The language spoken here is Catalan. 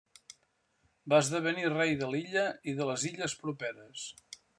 Va esdevenir rei de l'illa i de les illes properes.